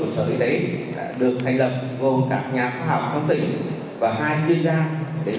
sở y tế tỉnh nghệ an